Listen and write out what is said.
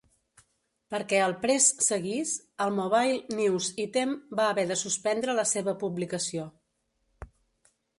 Perquè el "Press" seguís, el "Mobile News-Item" va haver de suspendre la seva publicació.